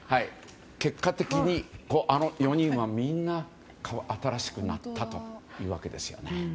結果的にあの４人はみんな新しくなったというわけです。